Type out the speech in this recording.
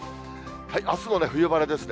あすも冬晴れですね。